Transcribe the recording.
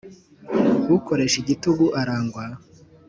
ukoresha igitugu arangwa.